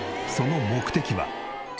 その目的は。